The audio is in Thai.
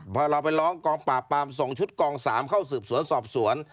พอเราไปร้องกองปราบปรามส่งชุดกอง๓เข้าสืบสวนสอบสวน